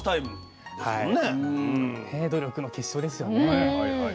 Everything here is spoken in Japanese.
努力の結晶ですよね。